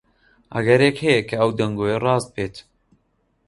ئەگەرێک هەیە کە ئەو دەنگۆیە ڕاست بێت.